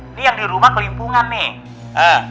ini yang di rumah kelimpungan nih